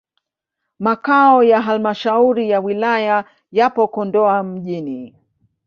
Makao ya halmashauri ya wilaya yapo Kondoa mjini.